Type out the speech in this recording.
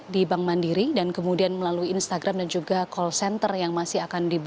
di bank mandiri dan kemudian melalui instagram dan juga call center yang masih akan diberikan